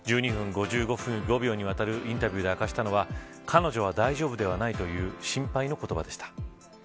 １２分５５秒にわたるインタビューで明かしたのは彼女は大丈夫ではないという心配の言葉でした。